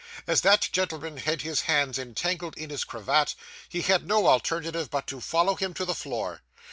As that gentleman had his hands entangled in his cravat, he had no alternative but to follow him to the floor.